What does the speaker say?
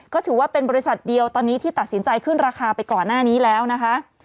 ก็ถือว่าเป็นบริษัทเดียวตอนนี้ที่ตัดสินใจขึ้นราคาไปก่อนหน้านี้แล้วนะคะ